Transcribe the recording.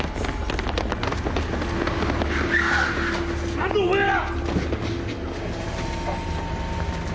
何だお前ら！